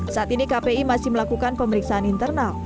saat ini kpi masih melakukan pemeriksaan internal